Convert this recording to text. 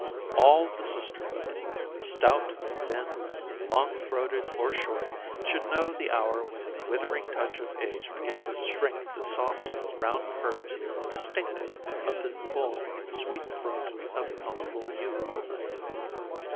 [Illustration: NO. 72] All the sisterhood, stout, thin, long throated, or short, should know the hour when the withering touch of age begins to shrink the soft, round curves distinctive of the full, sweet throat of healthful youth.